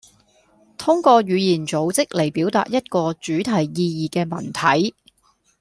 通過語言組織嚟表達一個主題意義嘅文體